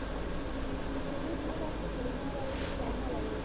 د کوویډ نولس د کورونا وایرس له امله و.